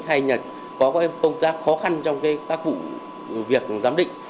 hay là có công tác khó khăn trong các vụ việc giám định